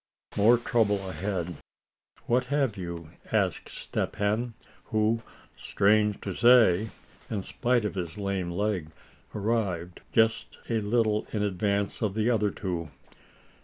MORE TROUBLE AHEAD. "What have you?" asked Step Hen, who, strange to say, in spite of his lame leg, arrived just a little in advance of the other two.